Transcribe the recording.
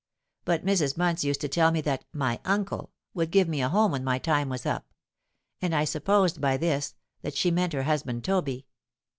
But Mrs. Bunce used to tell me that 'my uncle would give me a home when my time was up;' and I supposed by this, that she meant her husband Toby.